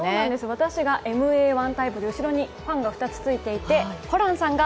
私がＭＡ−１タイプで後ろにファンが２つついていまして、ホランさんが